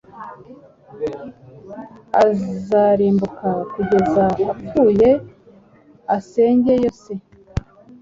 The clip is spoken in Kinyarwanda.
Azarimbuka kugeza apfuye asangeyo se